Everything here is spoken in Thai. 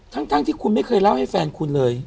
ทั้งที่คุณไม่เคยเล่าให้แฟนคุณเลย